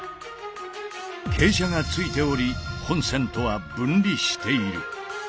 傾斜がついており本線とは分離している。